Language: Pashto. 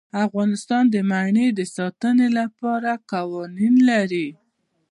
افغانستان د منی د ساتنې لپاره قوانین لري.